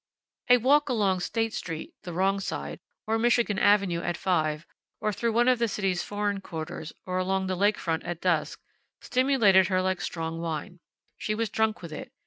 A walk along State street (the wrong side) or Michigan avenue at five, or through one of the city's foreign quarters, or along the lake front at dusk, stimulated her like strong wine. She was drunk with it.